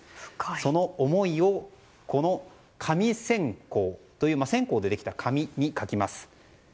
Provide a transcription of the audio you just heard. その思いをこの紙線香という線香でできた紙に書きます。